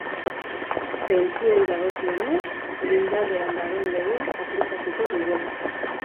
Pentsioei dagokionez, indarrean dagoen legea aplikatuko dugu.